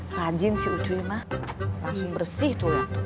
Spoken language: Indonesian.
rajin sih ucu mah langsung bersih tuh lihat tuh